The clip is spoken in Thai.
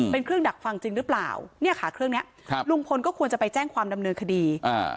เป็นเครื่องดักฟังจริงหรือเปล่าเนี่ยค่ะเครื่องเนี้ยครับลุงพลก็ควรจะไปแจ้งความดำเนินคดีอ่า